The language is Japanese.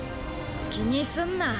気にすんな。